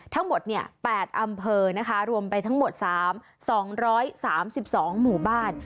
ทั้งหมดเนี่ยแปดอำเภอนะคะรวมไปทั้งหมดสามสองร้อยสามสิบสองหมู่บ้าน